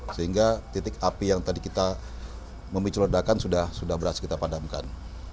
sehingga titik api yang tadi kita memicu ledakan sudah berhasil kita padamkan